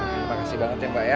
terima kasih banget ya mbak ya